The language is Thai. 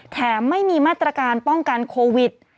แถมไม่มีมาตรการป้องกันโควิด